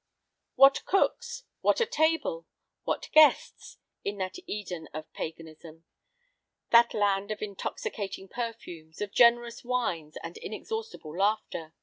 What cooks! what a table! what guests! in that Eden of paganism that land of intoxicating perfumes, of generous wines, and inexhaustible laughter!